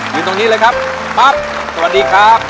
อยู่ตรงนี้เลยครับปั๊บสวัสดีครับ